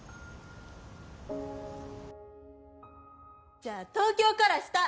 じゃ東京から下！